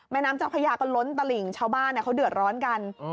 แม่น้ำเจ้าขยากล้นตะหลิงชาวบ้านเขาเดือดร้อนกัน